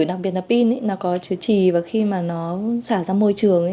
đặc biệt là pin nó có chứa trì và khi mà nó xả ra môi trường